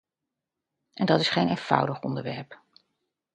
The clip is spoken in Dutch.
En dat is geen eenvoudig onderwerp.